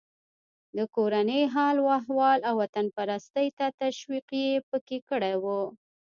د کورني حال و احوال او وطنپرستۍ ته تشویق یې پکې کړی و.